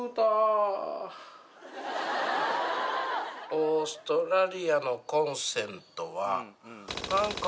オーストラリアのコンセントはなんか。